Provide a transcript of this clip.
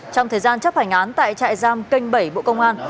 trong thời gian chấp hành án tại trại giam kênh bảy bộ công an